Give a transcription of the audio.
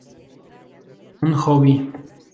Un hobby.